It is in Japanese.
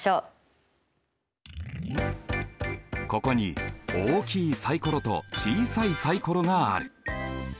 ここに大きいサイコロと小さいサイコロがある。